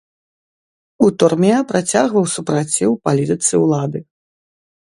У турме працягваў супраціў палітыцы ўлады.